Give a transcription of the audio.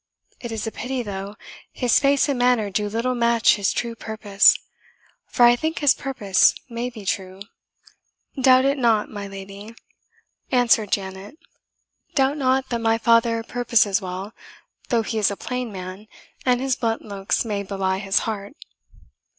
It is a pity, though, his face and manner do little match his true purpose for I think his purpose may be true." "Doubt it not, my lady," answered Janet "doubt not that my father purposes well, though he is a plain man, and his blunt looks may belie his heart."